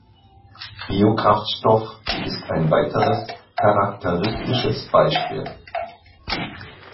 Biokraftstoff ist ein weiteres charakteristisches Beispiel.